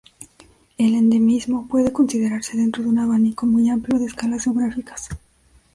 El endemismo puede considerarse dentro de un abanico muy amplio de escalas geográficas.